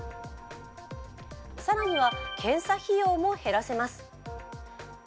更には、検査費用も減らせます。